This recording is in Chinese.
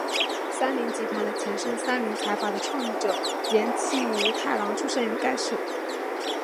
三菱集团的前身三菱财阀的创立者岩崎弥太郎出身于该市。